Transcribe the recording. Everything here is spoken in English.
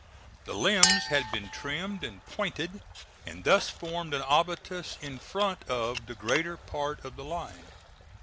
The limbs had been trimmed and pointed, and thus formed an abatis in front of the greater part of the line.